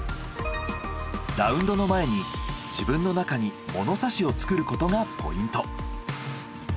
ラウンドの前に自分の中にものさしを作ることがポイント。